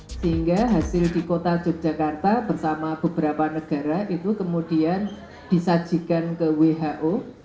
sehingga hasil di kota yogyakarta bersama beberapa negara itu kemudian disajikan ke who